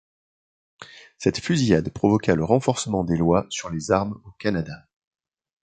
Cette fusillade provoqua le renforcement des lois sur les armes au Canada.